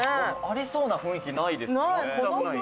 「ありそうな雰囲気ないですよね」